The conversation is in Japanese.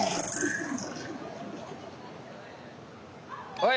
はい。